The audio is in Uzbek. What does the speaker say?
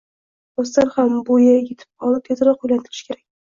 Rostdan ham, bo`yi etib qoldi, tezroq uylantirish kerak